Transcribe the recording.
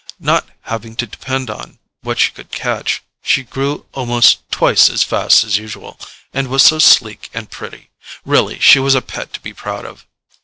Not having to depend on what she could catch, she grew almost twice as fast as usual, and was so sleek and pretty. Really, she was a pet to be proud of.